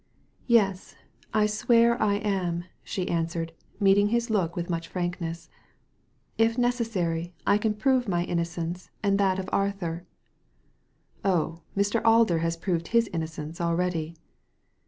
"Yes, I swear I am," she answered, meeting his look with much frankness. "If necessary I can prove my innocence, and that of Arthur." " Oh, Mr. Alder has proved his innocence already."